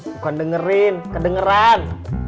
bukan dengerin kedengaran